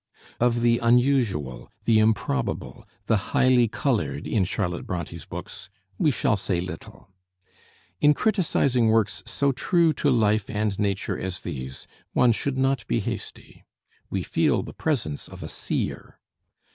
Of the unusual, the improbable, the highly colored in Charlotte Bronté's books we shall say little. In criticizing works so true to life and nature as these, one should not be hasty. We feel the presence of a seer.